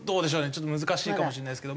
ちょっと難しいかもしれないですけど。